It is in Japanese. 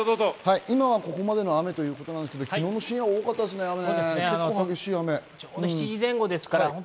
今ここまでの雨ということですが昨日深夜が多かったですね。